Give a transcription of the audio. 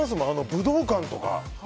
武道館とか。